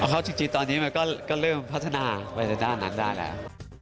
เขาจริงตอนนี้มันก็เริ่มพัฒนาไปในด้านนั้นได้แล้ว